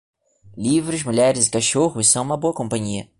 Livros, mulheres e cachorros são uma boa companhia.